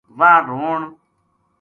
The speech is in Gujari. واہ رون